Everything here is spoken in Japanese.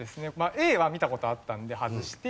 Ａは見た事あったので外して。